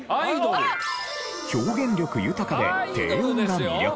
表現力豊かで低音が魅力。